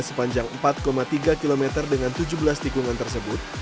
sepanjang empat tiga km dengan tujuh belas tikungan tersebut